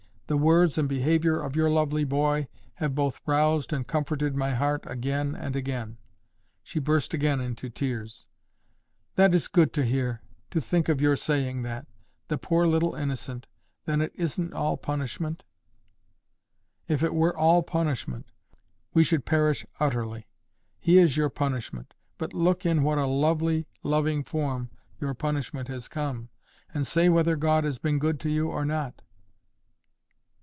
The words and behaviour of your lovely boy have both roused and comforted my heart again and again." She burst again into tears. "That is good to hear. To think of your saying that! The poor little innocent! Then it isn't all punishment?" "If it were ALL punishment, we should perish utterly. He is your punishment; but look in what a lovely loving form your punishment has come, and say whether God has been good to you or not."